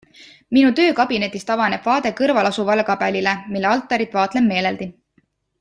Minu töökabinetist avaneb vaade kõrvalasuvale kabelile, mille altarit vaatlen meeleldi.